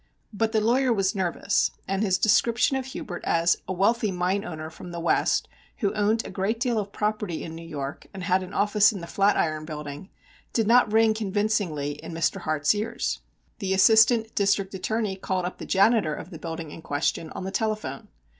But the lawyer was nervous, and his description of Hubert as "a wealthy mine owner from the West, who owned a great deal of property in New York, and had an office in the Flatiron Building," did not ring convincingly in Mr. Hart's ears. The Assistant District Attorney called up the janitor of the building in question on the telephone.